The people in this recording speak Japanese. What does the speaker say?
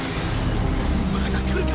まだ来るか？